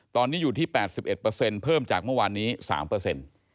ตอนนี้อยู่ที่๘๑เพิ่มจากเมื่อวานนี้๓เปอร์เซ็นต์